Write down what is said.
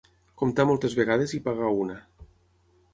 Comptar moltes vegades i pagar una.